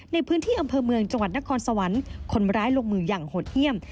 ในพื้นที่อำเภอเมืองจังหวัดนครสวรรค์คนร้ายลงมืออย่างหดเยี่ยม